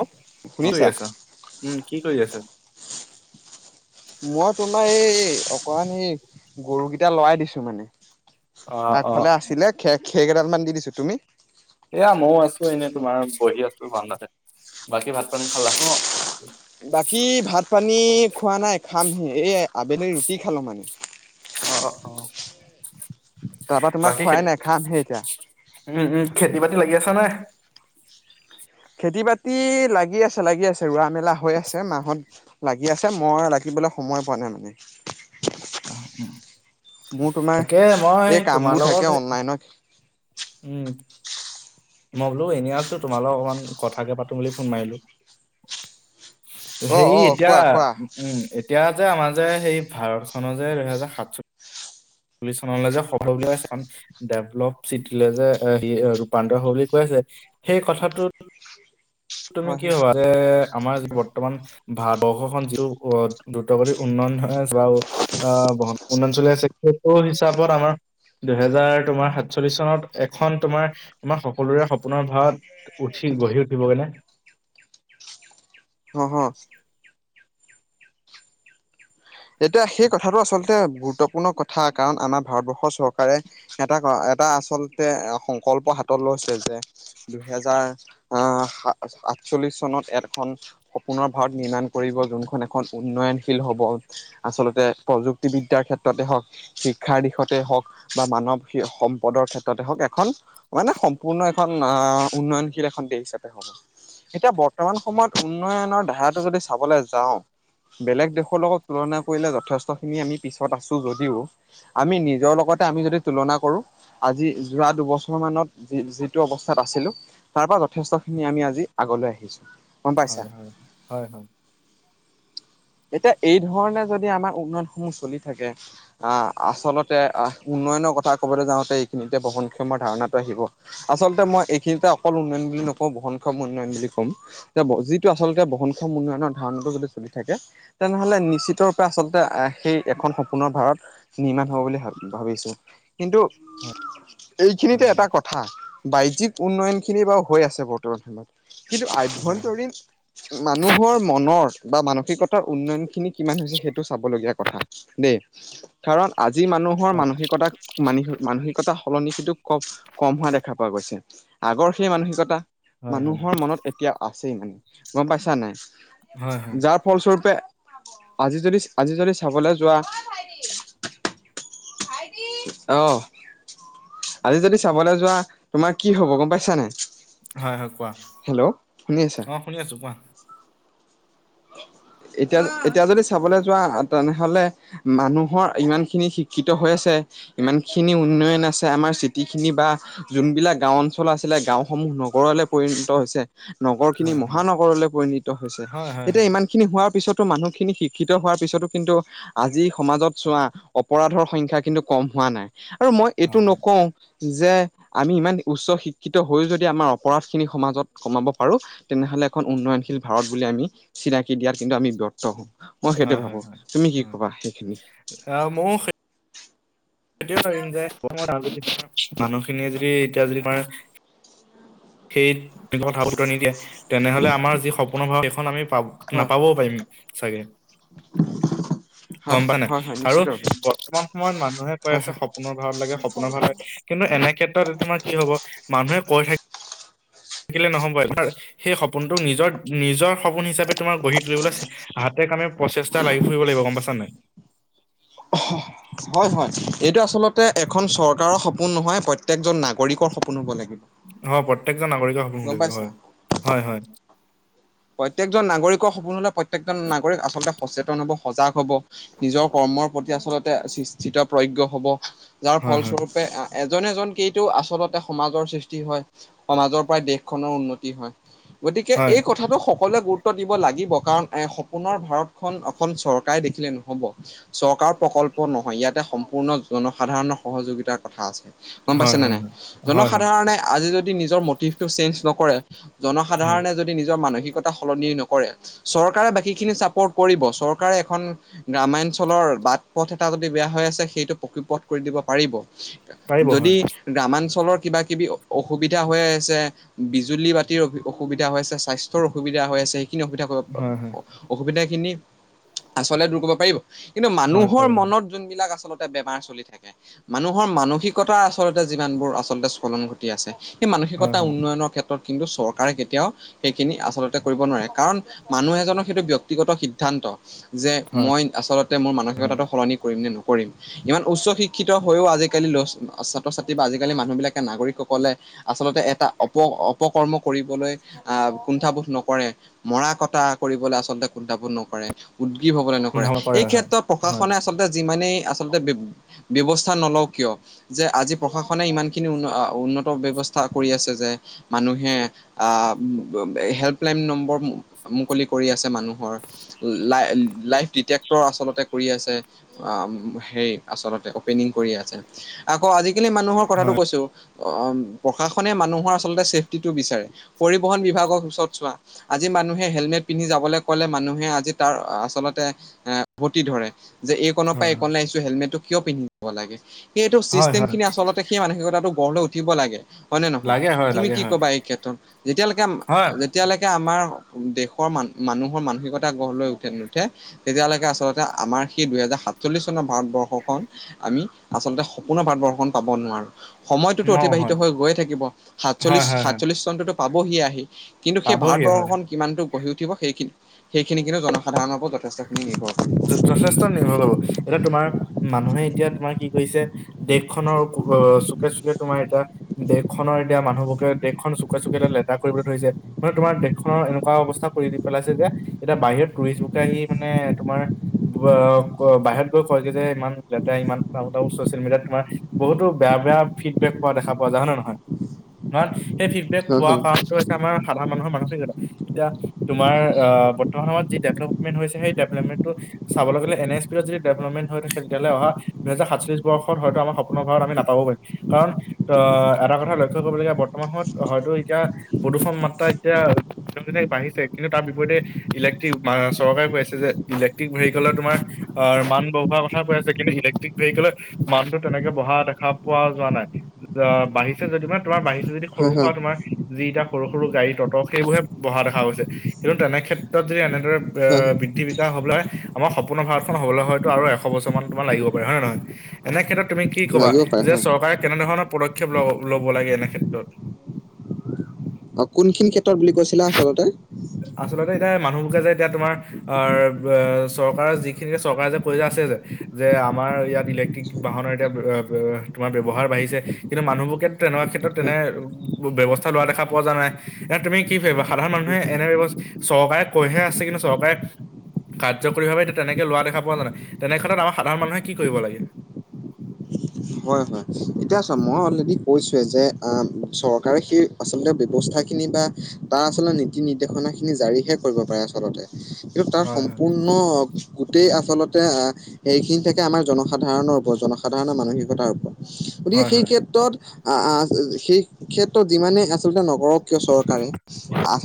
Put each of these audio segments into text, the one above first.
কি কৰি শুনিছা আছা? উম, কি কৰি আছা? মই তোমাৰ এই, অকমান এই গৰুকেইটা লৰাই দিছো মানে। অ', অ', আগফালে আছিলে খে-খেৰ কেইডাল মান দি দিছো, তুমি? এয়া মইও আছো এনেই তোমাৰ, বহি আছো বাৰন্দাতে। বাকী ভাত-পানী খালা? বাকী ভাত পানী খোৱা নাই খামহে, এই আবেলি ৰুটি খালো মানে। অ', অ', অ'। তাৰপা তোমাৰ বাকী খোৱাই খেতি নাই, খামহে এতিয়া। উম, উম, খেতি-বাতি লাগি আছনে? খেতি-বাতি লাগি আছে, লাগি আছে ৰোৱা মেলা হৈ আছে মাহত লাগি আছে, মই লাগিবলে সময় পোৱা নাই মানে। মোৰ তোমাৰ তাকে মই এই কামবোৰ তোমাৰ থাকে লগত অনলাইনত উম। মই বোলো এনেই আছো, তোমাৰ লগত অকণমান কথাকে পাতো বুলি ফোন মাৰিলো। অ সেই অ এতিয়া কোৱা কোৱা উম, এতিয়া যে আমাৰ যে সেই ভাৰত খনৰ যে দুহেজাৰ সাত চ পুলিচ চনলে যে [unintelligible] ডেভলপ চিটিলেযে সি ৰূপান্তৰ হোৱা বুলি কৈ আছে, সেই কথাটোত তুমি হয় কি হয় [unintelligible] যে আমাৰ যে বৰ্তমান ভাৰতবৰ্ষখন যিটো দ্ৰুতগতিৰ উন্নয়ন হৈ যোৱা অ' আহ বহুত উন্নয়ন চলি আছে, সেইটো হিচাপত আমাৰ দুহেজাৰ তোমাৰ সাতচল্লিশ চনত, এখন তোমাৰ আমাৰ সকলোৰে সপোনৰ ভাৰত উঠি, গহি উঠিব গৈ নে? অহ, অহ। এতিয়া সেই কথাটো আচলতে গুৰুত্বপূৰ্ণ কথা, কাৰণ আমাৰ ভাৰতবৰ্ষৰ চৰকাৰে এটা-এটা আচলতে সংকল্প হাতত লৈছে যে দুহেজাৰ আহ, আ-আশচল্লিশ চনত এখন সপোনৰ ভাৰত নিৰ্মাণ কৰিব, যোনখন এখন উন্নয়নশীল হ'ব। আচলতে প্ৰযুক্তি বিদ্যাৰ ক্ষেত্ৰতে হওক শিক্ষাৰ দিশতে হওক, বা মানৱ সম্পদৰ ক্ষেত্ৰতে হওক এখন মানে সম্পূৰ্ণ এখন আহ উন্নয়নশীল এখন দেশ হিচাপে হ এতিয়া বৰ্তমান সময়ত উন্নয়নৰ ধাৰাটো যদি চাবলৈ যাওঁ বেলেগ দেশৰ লগত তুলনা কৰিলে যথেষ্টখিনি আমি পিছত আছো যদিও আমি নিজৰ লগতে আমি যদি তুলনা কৰো আজি যোৱা দুবছৰ মানত যি যিটো অৱস্থাত আছিলো তাৰপৰা যথেষ্টখিনি আমি আজি আগলৈ আহিছোঁ। গম পাইছা হয়, হয়। হয়, হয়। এতিয়া এই ধৰণে যদি আমাৰ উন্নয়ন সমূহ চলি থাকে আহ, আচলতে উন্নয়নৰ কথা ক'বলে যাওঁতে এইখিনিতে বহনক্ষমৰ ধাৰণাটো আহিব। আচলতে মই এইখিনিতে অকল উন্নয়ন বুলি নকওঁ, বহনক্ষম উন্নয়ন বুলি কম। এতিয়া, যিটো আচলতে বহনক্ষম উন্নয়নৰ ধাৰণটো যদি চলি থাকে তেনেহ'লে নি নিশ্চিতৰূপে আচলতে আহ, সেই এখন সপোনৰ ভাৰত নিৰ্মাণ হ'ব বুলি ভাব ভাবিছোঁ। কিন্তু হয়। এইখিনিতে এটা কথা, বাহ্যিক উন্নয়ন খিনি বাৰু হৈ আছে বৰ্তমান সময়ত। কিন্তু হয় আভ্যন্তৰীণ মানুহৰ মনৰ বা মানসিকতাৰ উন্নয়নখিনি কিমান হৈছে সেইটো চাবলগীয়া কথা দে, কাৰণ আজি মানুহৰ মানসিকতা মানসিক- মানসিকতা সলনি সেইটো ক-কম হোৱা দেখা পোৱা গৈছে, আগৰ সেই মানসিকতা হয় মানুহৰ মনত এতিয়া আছেই মানে, গম পাইছা নাই হয় হয় যাৰ ফলস্বৰূপে আজি যদি আজি যদি চাবলৈ যোৱা অহ। আজি যদি চাবলে যোৱা তোমাৰ কি হব গম পাইছা নাই? হয়, হয়, কোৱা হেল্ল' শুনি আছা? অ', শুনি আছোঁ কোৱা। এতিয়া, এতিয়া যদি চাবলে যোৱা তেনেহ'লে মানুহৰ ইমানখিনি শিক্ষিত হৈ আছে ইমানখিনি উন্নয়ন আছে আমাৰ চিটিখিনি বা যোনবিলাক গাওঁ অঞ্চল আছিলে, গাওঁসমূহ নগৰলৈ পৰিণিত হৈছে। নগৰখিনি হয় হয় মহানগৰলৈ পৰিনিত হৈছে। হয় হয় হয় ইমানখিনি হোৱাৰ পিছতো মানুহখিনি শিক্ষিত হোৱাৰ পিছতো কিন্তু আজি সমাজত চোৱা অপৰাধৰ সংখ্যা কিন্তু কম হোৱা নাই আৰু মই এইটো হয় নকওঁ যে আমি ইমান উচ্চ শিক্ষিত হৈ যদি আমাৰ অপৰাধখিনি সমাজত কমাব পাৰোঁ তেনেহ'লে এখন উন্নয়নশীল ভাৰত বুলি আমি চিনাকি দিয়াৰ কিন্তু আমি ব্যৰ্থ হ'ম, মই সেইটো ভাবোঁ। তুমি কি ক'বা সেইখিনি? অ', মওঁ সে টোৱেই ভাবিম যে মানুহখিনিয়ে যদি এতিয়া যদি তোমাৰ, সেই কথা বতৰা নিদিয়ে তেনেহ'লে আমাৰ যি সপোনৰ [unintelligible] খন আমি হয় নাপাবও পাৰিম চাগে। হয় গম পা নাই হয় হয় আৰু নিশ্চিত ৰূপে বৰ্তমান সময়ত মানুহে হয় আছে হয় সপোনৰ ভাৰত লাগে সপোনৰ ভাৰত লাগে, কিন্তু এনে ক্ষেত্ৰত তোমাৰ কি হ'ব মানুহে কৈ থাক থাকিলে নহ'ব এবাৰ সেই সপোনটোক নিজৰ, নিজৰ সপোন হিচাপে তোমাৰ গঢ়ি তুলিবলৈ হাতে কামে প্ৰচেষ্টা লাগি ফুৰিব লাগিব, গম পাইছা নাই! [inaudible] হয়, হয়, এইটো আচলতে এখন চৰকাৰৰ সপোন নহয়, প্ৰত্যেকজন নাগৰিকৰ সপোন হ'ব লাগিব। অ পপ্ৰত্যেকজন নাগৰিকৰ সপোন গম লাগিব পাইছা হয়, হয়, হয়। প্ৰত্যেকজন নাগৰিকৰ সপোন হ'লে প্ৰত্যেকজন নাগৰিক আচলতে সচেতন হ'ব সজাগ হ'ব। নিজৰ কৰ্মৰ প্ৰতি আচলতে [unintelligible] হ'ব যাৰ হয় ফলস্বৰূপে এজন এজনকেইটো আচলতে সমাজৰ সৃষ্টি হয়, সমাজৰ পৰাই দেশখনৰ উন্নতি হয়। গতিকে হয় এই কথাটো সকলোৱে গুৰুত্ব দিব লাগিব কাৰণ এ, সপোনৰ ভাৰতখন এখন চৰকাৰে দেখিলে নহ'ব চৰকাৰ প্ৰকল্প নহয়, ইয়াতে সম্পূৰ্ণ জনসাধাৰণৰ সহযোগিতাৰ কথা আছে। গম হয় পাইছে নে হয় নাই? হয় হয় হয় হয় জনসাধাৰণে আজি যদি নিজৰ মটিভটো চেঞ্জ নকৰে হয় জনসাধাৰণে যদি নিজৰ মানসিকতা সলনি নকৰে, চৰকাৰে বাকীখিনি চাপৰ্ট কৰিব চৰকাৰে এখন গ্ৰাম্যাঞ্চলৰ বাট পথ এটা যদি বেয়া হৈ আছে, সেইটো পকীপথ কৰি দিব পাৰিব। পাৰিব হয় যদি গ্ৰামাঞ্চলৰ কিবা কিবি অ-অসুবিধা হৈ আছে, বিজুলী বাতিৰ অসুবিধা হৈ স্বাস্থ্যৰ অসুবিধা হৈছে, সেইখিনি হয় হয় [unintelligible] অসুবিধাখিনি আচলতে দূৰ কৰিব পাৰিব কিন্তু হয় মানুহৰ পাৰিব মনত বিলাক আচলতে বেমাৰ চলি থাকে মানুহৰ মানসিকতা আচলতে যিমানবোৰ আচলতে স্লন ঘ আছে সেই হয় মানসিকতা হয় উন্নয়নৰ ক্ষেত্ৰত কিন্তু চৰকাৰে কেতিয়াও সেইখিনি আচলতে কৰিব নোৱাৰে কাৰণ মানুহ এজনৰ সেইটো ব্য্য়ক্তিগত সিদ্ধান্ত, যে হয় মই আচলতে মোৰ মানসিকতাটো সলনি কৰিম নে নকৰিম। ইমান উচ্চ শিক্ষিত হৈও আজিকালি ছাত্ৰ ছাত্ৰী বা আজিকালি মানুহবিলাকে নাগৰিককলে, আচলতে এটা অপ-অপকৰ্ম কৰিবলৈ, আহ কুণ্ঠাবোধ নকৰে মৰা কটা কৰিবলৈ আচলতে কুণ্ঠাবোধ নকৰে। উদ্গীৱ হবলৈ নকৰে পোন্ধৰ কৰে এই হয় ক্ষেত্ৰত হয় প্ৰশাসনে আচলতে যিমানেই আচলতে ব্যৱস্থা নলওঁ কিয়, যে আজি প্ৰশাসনে ইমান খিনি উন্নত ব্যৱস্থা কৰি আছে যে, মানুহে আহ, হেল্পলাইন নম্বৰ মুকলি কৰি আছে মানুহৰ। লাই-লাইফ ডিটেক্টৰ আচলতে কৰি আছে। হে আচলতে অপেনিং কৰি আছে আকৌ আজিকালি মানুহৰ কথাটো হয় কৈছোঁ, অ প্ৰশাসনে মানুহৰ আচলতে চেফটিটো বিচাৰে পৰিবহন বিভাগৰ ওচৰত চোৱা, আজি মানুহে হেলমেট পিন্ধি যাবলৈ কলে মানুহে আজি তাৰ আচলতে, আহ, উভতি ধৰে। যে এই কোণৰ পৰা হয় এই কোণলৈ আহিছোঁ হেলমেটটো কিয় পিন্ধিব লাগে সেই এইটো হয় হয় চিষ্টেম হয় খিনি আচলতে সেই মানসিকতাটো গঢ় লৈ উঠিব লাগে হয় নে নহয় লাগে হয় তুমি লাগে কি হয় কবা এই ক্ষেত্ৰত? যেতিয়ালৈকে হয় যেতিয়ালৈকে আমাৰ দেশৰ মান মানুহৰ মানসিকতা গঢ় লৈ উঠে নুঠে তেতিয়ালৈকে আচলতে আমাৰ সেই দুহেজাৰ সাতচল্লিশ চনৰ ভাৰতবৰ্ষখন আমি আচলতে সপোনৰ ভাৰতবৰ্ষখন পাব নোৱাৰো সময়টোতো ন অতিবাহিত হয় হৈ গৈয়ে থাকিব হয় সাতচল্লিশ হয় হয় সাতচল্লিশ চনটোটো পাবহি আহি কিন্তু সেই পাবহিয়ে হয় ভাৰতবৰ্ষখন কিমানটো গঢ়ি উঠিব সেইখিনি সেইখিনি কিন্তু জনসাধাৰণৰ যথেষ্টখিনি নিৰ্ভৰ কৰে। যথেষ্ট নিৰ্ভৰ হব এতিয়া তোমাৰ মানুহে এতিয়া তোমাৰ কি কৰিছে, দেশখনৰ চুকে চুকে তোমাৰ এটা দেশখনৰ এতিয়া মানুহবোৰকে দেশখন চুকে চুকে এয়া লেতেৰা কৰিবলৈ ধৰিছে। মানে তোমাৰ দেশখনৰ এনেকুৱা অৱস্থা কৰি পেলাইছে যে এতিয়া বাহিৰত টুৰিষ্ট বুকে আহি মানে তোমাৰ বাহিৰত গৈ কয় যে যে ইমান লেতেৰা ইমান চচিয়েল মিডিয়াত তোমাৰ বহুতো বেয়া বেয়া ফিডবেক পোৱা দেখা পোৱা যায় হয় নয় নহয়? ধৰা সেই ফিডবেক হয় পোৱাৰ হয় কাৰণটো হৈছে আমাৰ সাধাৰণ মানুহৰ মানসিকতা। য়া তোমাৰ বৰ্তমান সময়ত যি ডেভেলপমেন্ট হৈছে সেই ডেভপমে চাবলৈ গ'লে এন এছ পি যদি ডেভলপমেণ্ট হৈ থাক তেতিয়াহলে অহা দুহেজাৰ সাতচল্লিছ বৰ্ষত হয়তো আমাৰ সপোনৰ ঘৰত আমি নাপাব পাৰিম। কাৰণ আহ এটা কথা লৈষ কৰিবলগীয়া বৰ্তমান সময়ত হয়তো এতিয়া প্ৰদূষণ মাত্ৰা এতিয়া দিনক দিনে বাঢ়িছে কিন্তু তাৰ বিপৰীতে, ইলেক্ট্ৰিক চৰকাৰে কৈ আছে যে, ইলেক্ট্ৰিক ভেহিককলৰ তোমাৰ মান বহোৱাৰ কথা কৈ আছে কিন্তু ইলেক্ট্ৰিক ভেহিককলত, মানটো তেনেকে বঢ়া দেখা পোৱা যোৱা নাই বাঢ়িছে যদি মানে তোমাৰ বাঢ়িছে যদি সৰু হয় খোৱা হয় তোমাৰ যিকিটা সৰু সৰু গাড়ী ততক সেইবোৰহে বহা দেখা গৈছে কিন্তু তেনেক্ষত্ৰত যদি এনে হয় [inaudible] বৃদ্ধি হব হয় আমাৰ সম্পূৰ্ণ ভাৰতখন হ'বলৈ হয়তো আৰু এশ বছৰ মান তোমাৰ লাগিব পাৰে হয় নহয়? এনে ক্ষেত্ৰত তুমি কি কবা লাগিব পাৰে যে হয়। চৰকাৰে কেনে ধৰণৰ পদক্ষেপ লব লব লাগে এনে ক্ষেত্ৰত? অ, কোনখিনি ক্ষেত্ৰত বুলি কৈছিলে আচলতে? আচলতে এতিয়া মানুহবোৰকে যে এতিয়া তোমাৰ অ, চৰকাৰৰ যিখিনিকে চৰকাৰ যে পইচা আছে যে, যে আমাৰ ইয়াত ইলেক্ট্ৰিক বাহনৰ এতিয়া তোমাৰ ব্যৱহাৰ বাঢ়িছে, কিন্তু মানুহবোৰ তেনেকুৱা ক্ষেত্ৰত তেনে হয় ব্যৱস্থা লোৱা দেখা পোৱা যোৱা নাই। এ তুমি কি ভাবিবা সাধাৰণ হয়। মানুহে এনে ব্যৱস্থা চৰকাৰে কৈহে আছে কিন্তু চৰকাৰে কাৰ্যকৰীভাৱে এতিয়া তেনেকে লোৱা দেখা পোৱায় তেনেক্ষেত্ৰত আমাৰ সাধাৰণ মানুহে কি কৰিব লাগে? হয় হয় এতিয়া চোৱা মই অলৰেডি কৈছোৱে যে চৰকাৰে সেই আচলতে ব্যৱস্থাখিনি বা তাৰ আচলতে নীতি নিৰ্দেশনা খিনি জাৰিহে কৰিব পাৰে আচলতে কিন্তু তাৰ হয় সম্পূৰ্ণ গোটেই আচলতে আহ সেইখিনি থাকে আমাৰ জনসাধাৰণৰ ওপৰত জনসাধাৰণৰ মানসিকতাৰ ওপৰত গতিকে হয় সেই হয় ক্ষেত্ৰত আহ সেই ক্ষেত্ৰত যিমানে আচলতে নকৰক চৰকাৰে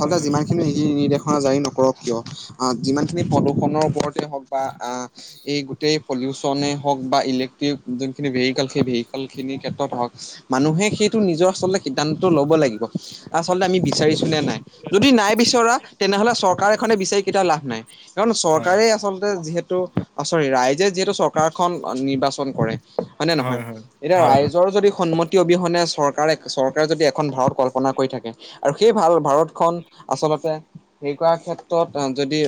হয় হয় যিমানখিনি নিৰ্দেশনা জাৰি নকৰক কিয় আহ যিমান খিনি প্ৰদূ্ষৰ ওপৰতে হওক বা আহ এই গোটেই পলিউচনে হওক বা ইলেক্ট্ৰিক যোনখিনি ভেহিকেল সেই ভেহিকে ক্ষেত্ৰত হওক মানুহে সেইটো নিজৰ আচলতে সিদ্ধান্ত লব লাগিব আচল্ততে আমি বিচাৰিছে নাই যদি নাই বিচৰা তেনেহলে চৰকাৰ এখনে বিচাৰি কেেইতিও লাভ নাই কাৰণ হয় চৰকাৰে আচলতে যিহেতু ৰাইজে যিহেতু চৰকাৰখন নিৰ্বাচন কৰে হয় ন নহয় এতিয়া ৰাইৰ ভতৰ যদি সন্মতি অবিহনে চৰকাৰে চৰকাৰে যদি এখন ভাৰত কল্পনা কৰি থাকে আৰু সেই ভাল ভাৰতখনন আচলতে সেই কৰা ক্ষেত্ৰত যদি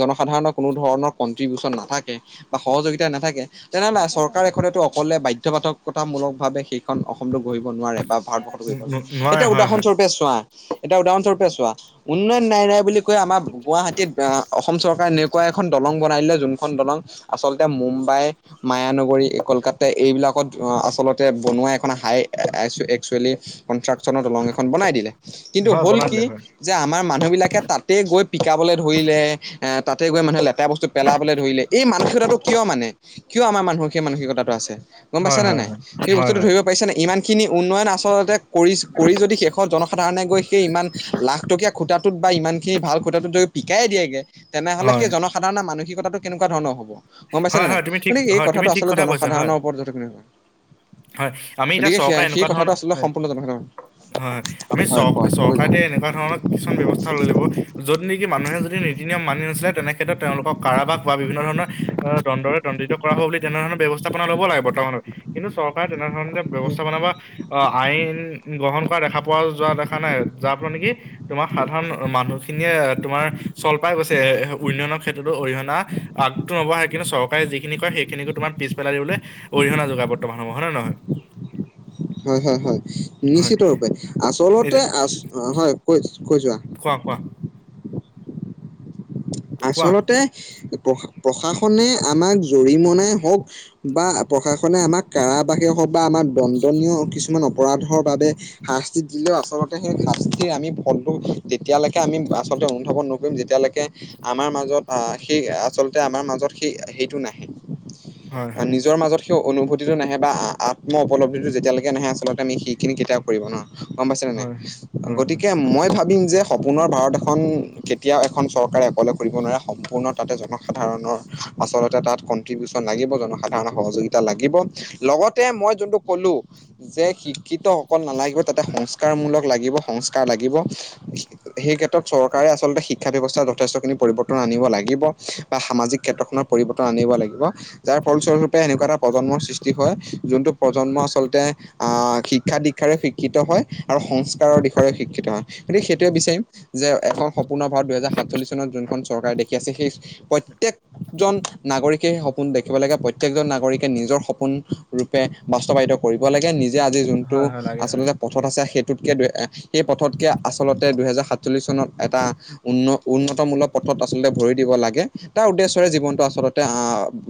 জনসাধাৰণৰ কোনো ধৰণৰ কনট্ৰিবিউচন নাথাকে বা সহযোগিতা নাথাকে তেনেহলে চৰকাৰ এখনেতো অকলে বাধ্যকতামূলক ভাৱে শেষ এখন অসমতো গঢ়িব নোৱাৰে বা ভাৰতবৰ্ষত গহিব ন- ন- নোৱাৰে এতিয়া হয় হয় উদাহৰণস্বৰূপে চোৱা এটা উদাহৰণস্বৰূপে চোৱা উন্নয়ন নাই নাই বুলি কৈ আমাৰ গুৱাহাটীত অসম চৰকাৰ এনেকুৱা এখন দলং বনাই দিলে যোনখন দলং আচলতে মুম্বাই মায়ানগৰী কলকাতা এইবিলাক আচলতে বনোৱা এখন হাই এক্সুৱেলি কনষ্ট্ৰাক্যনৰ দলং এখন বনাই দিলে। কিন্তু হয় হ'ল বনাই দিলে কি হয় যে আমাৰ মানুহ বিলাকে তাতে গৈ পিকাবলৈ ধৰিলে এ তাতে গৈ মানুহ লে লেতেৰা বস্তু পেলাবলৈ ধৰিলে এই মানসিকতাটো কিয় মানে কিয় আমাৰ মানুহৰ সেই মানসিকতাটো আছে? গম পাইছ হয় নে হয় নাই? হয় সেই হয় বস্তুটো হয় ধৰিব পাৰিছা নে নাই ইমান খিনি উন্নয়ন আচলতে কৰি কৰি যদি শেষত জনসাধাৰণে গৈ সেই ইমান লাখ টকীয়া খূটাটোত বা ইমানখিনি ভাল খূটাটোত যদি পিকায়ে দিয়েগৈ তেনেহ'লে সেই হয় জনসাধাৰণৰ মানসিকতাটো কেনেকুৱা ধৰণৰ হব? গম পাইছা হয়, না নাই হয়। তুমি ঠিক গতিকে এই হয়, তুমি কথাটো ঠিক আচলতে কথা কৈছা। হয়, জনসাধাৰণৰ ওপৰত হয়। আমি এতিয়া গতিকে সেয়া চৰকাৰে সেই এনেকুৱা ধৰণৰ কথাটো আচলতে সম্পূৰ্ণ জনসাধাৰণ হয় হয় আমি হয় চ- কয় কৈ চৰকাৰটোৱে যোৱা এনেকুৱা ধৰণৰ কিছুমান ব্যৱস্থা লৈ ল'ব য'ত নেকি মানুহে যদি নীতি নিয়ম মানি নচলে তেনেক্ষেত্ৰত তেওঁলোকৰ কাৰাবাস বা বিভিন্ন ধৰণৰ অ দণ্ডৰে দণ্ডিত কৰা হব বুলি তেনে ধৰণৰ ব্যৱস্থাপনা ল'ব লাগে বৰ্তমানলৈ কিন্তু চৰকাৰে তেনেধৰণে ব্যৱস্থা [unintelligible] আইন গ্ৰহণ কৰা দেখা পোৱা যোৱা দেখা নাই যাৰ ফলত নেকি তোমাৰ সাধাৰণ মানুহ খিনিয়ে তোমাৰ চল পাই গৈছে উন্নয়নৰ ক্ষেত্ৰতো অৰিহণা আগটো নবঢ়ায়। কিন্তু চকাৰে যিখিনি ক সেইখিনিকো তোমাৰিছ পেলাই দিবলৈ অৰিহণা যোগা বৰ্তমান হ'ব হয় নহয় হয় হয় হয় হয়, নিশ্চিত ৰূপে এই আচলতে আ হয় কৈ কৈ যোৱা কোৱা কোৱা কোৱা। আচলতে প্ৰশা প্ৰশাসনে আমাক জৰিমনাই হওক বা প্ৰশাসনে আমাক কাৰাবাসে হওক বা আমাৰ দন্দনীয় কিছুমান অপৰাধৰ বাবে শাস্তি দিলেও আচলতে সেই শাস্তিৰ আমি ফলটো তেতিয়ালৈকে আমি আচলতে অনুভৱ ন ম যেতিয়ালৈকে আমাৰ মাজত সেই আচলতে আমাৰ মাজত সেই সেইটো নাহে হয়, আৰু হয়। নিজৰ মাজত সেই অনুভূতিটো নাহে বা আম্ম উপলব্ধিটো যেতিয়ালৈকে নাহে, আচলতে আমি সেইখিনি কেতিয়াও কৰিব নোৱাৰো। গম পাইছেনে নাই? হয়, হয়। হয়, হয়। গতিকে মই ভাবিম যে সপোনৰ ভাৰত এখন কেতিয়াও এখন চৰকাৰে অকলে কৰিব নোৱাৰে সম্পূৰ্ণ তাতে জনসাধাৰণৰ, আচলতে তাত কন্ট্ৰিবিউচন লাগিব, জনসাধাৰণৰ সহযোগি তা লাগিব, লগতে মই যোনটো কলো যে শিক্ষিত অকল নালাগিব তাতে, সংস্কাৰমূলক লাগিব, সংস্কাৰ লাগিব। সেই ক্ষেত্ৰত চৰকাৰে আচলতে শিক্ষা ব্যৱস্থাৰ যথেষ্টখিনি পৰিৱৰ্তন আনিব লাগিব বা সামাজিক ক্ষেত্ৰখনৰ পৰিৱৰ্তন আনিব লাগিব। যাৰ ফলস্বৰূপে এনেকুৱা এটা প্ৰজন্মৰ সৃষ্টি হয়, যোনটো প্ৰজন্ম আচলতে আ, শিক্ষা দীক্ষাৰে শিক্ষিত হয়। আৰু সংস্কাৰৰ দিশৰেও শিক্ষিত হয়, গতিকে সেইটোৱে বিচাৰিম যে এখন সস্পূৰ্ণ ভাৰত দুহেজাৰ সাতচল্লিশ যোনখন চৰকাৰ দেখি আছে, সেই প্ৰত্যেক জন নাগৰিকে সপোন দেখিব লাগে। প্ৰত্যেকজন নাগৰিকে নিজৰ সপোন ৰূপে বাস্তৱায়িত কৰিব লাগে। নিজে আজি যোনটো হয়, হয়, লাগে হয়। আচলতে পথত আছে, সেইটোতকৈ দু সেই পথতকৈ আচলতে দুহেজাৰ সাতচল্লিছ চনত এটা উন্ন উন্নত মূলক পথত আচলতে ভৰি দিব লাগে। তাৰ উদ্দেশ্যয়ৰে জীৱনটো আচলতে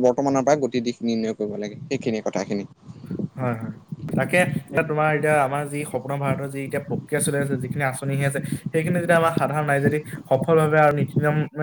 বৰ্তমানৰপৰা গতি দিশ নিৰ্ণয় কৰিব লাগে, সেইখিনিয়ে কথাখিনি। হয় হয়। তাকে, এতিয়া তোমাৰ এতিয়া আমাৰ যি সপোনৰ ভাৰতৰ যি এতিয়া প্ৰক্ৰিয়া চলি আছে, যিখিনি আঁচনি আহি আছে সেইখিনি যদি আমাৰ সাধাৰণ নাই যদি, সফল ভাৱে আৰু নীতি নিয়মৰ